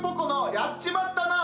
「やっちまったなぁ」